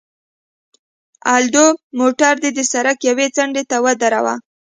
الدو، موټر دې د سړک یوې څنډې ته ودروه.